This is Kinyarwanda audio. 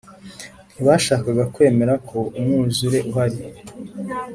Ntibashakaga kwemera ko umwuzure uhari